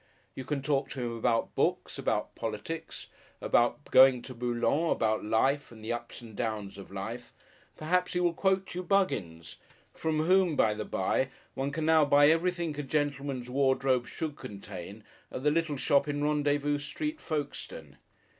You can talk to him about books, about politics, about going to Boulogne, about life, and the ups and downs of life. Perhaps he will quote you Buggins from whom, by the bye, one can now buy everything a gentleman's wardrobe should contain at the little shop in Rendezvous Street, Folkestone.